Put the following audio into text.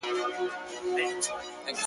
ژونده د څو انجونو يار يم، راته ووايه نو؟